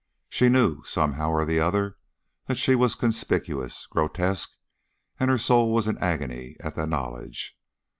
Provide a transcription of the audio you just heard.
She knew, somehow or other, that she was conspicuous, grotesque, and her soul was in agony at the knowledge.